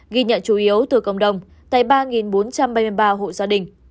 ghi nhận chủ yếu từ cộng đồng tại ba bốn trăm ba mươi ba hộ gia đình